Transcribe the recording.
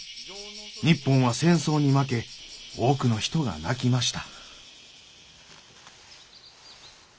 日本は戦争に負け多くの人が泣きました。